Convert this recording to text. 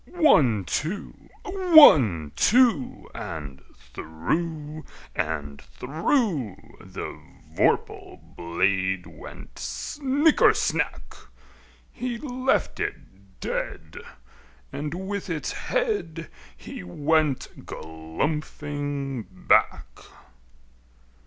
One, two! One, two! And through and through The vorpal blade went snicker snack! He left it dead, and with its head He went galumphing back.